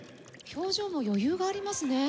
表情も余裕がありますね。